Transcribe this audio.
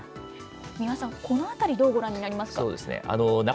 三輪さん、このあたり、どうご覧になりますか？